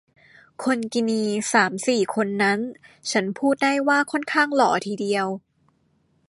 คนกินีสามสี่คนนั้น ฉันพูดได้ว่าค่อนข้างหล่อทีเดียว